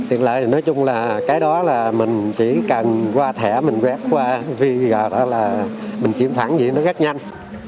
tiện lợi thì nói chung là cái đó là mình chỉ cần qua thẻ mình vét qua vì mình chiếm khoản gì nó rất nhanh